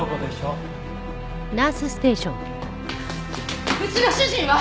うちの主人は！？